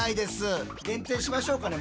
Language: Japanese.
限定しましょうかね。